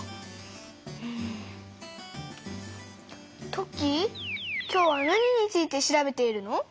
トッキー今日は何について調べているの？